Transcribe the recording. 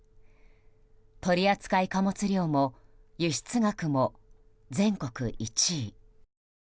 取り扱い貨物量も輸出額も全国１位。